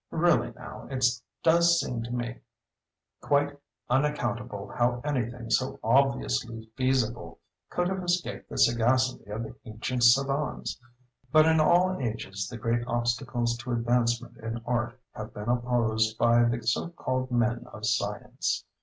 Really now it does seem to me quite unaccountable how any thing so obviously feasible could have escaped the sagacity of the ancient savans. But in all ages the great obstacles to advancement in Art have been opposed by the so called men of science.